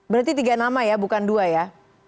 berarti tiga nama ya bukan dua ya